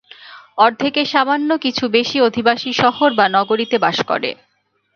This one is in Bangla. অর্ধেকের সামান্য কিছু বেশি অধিবাসী শহর বা নগরীতে বাস করে।